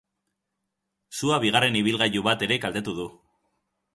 Sua bigarren ibilgailu bat ere kaltetu du.